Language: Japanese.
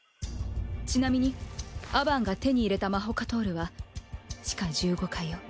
ちなみにアバンが手に入れたマホカトールは地下１５階よ。